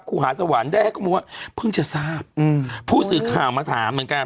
หาสวรรค์ได้ให้ข้อมูลว่าเพิ่งจะทราบอืมผู้สื่อข่าวมาถามเหมือนกัน